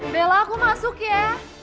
bella aku masuk ya